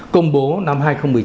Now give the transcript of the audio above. công bố năm hai nghìn một mươi chín